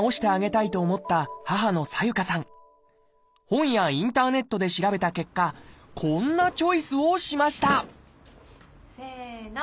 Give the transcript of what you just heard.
本やインターネットで調べた結果こんなチョイスをしましたせの。